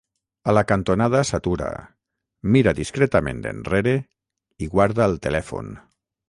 A la cantonada s'atura, mira discretament enrere i guarda el telèfon.